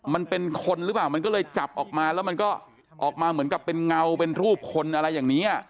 มันเป็นคนหรือเปล่ามันก็เลยจับออกมาแล้วมันก็ออกมาเหมือนกับเป็นเงาเป็นรูปคนอะไรอย่างนี้